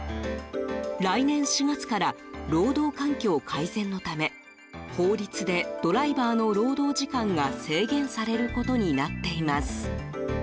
来年４月から労働環境改善のため法律でドライバーの労働時間が制限されることになっています。